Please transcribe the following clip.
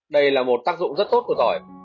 đây là một tác dụng rất tốt của tỏi